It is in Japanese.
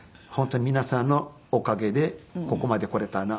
本当に皆さんのおかげでここまで来れた。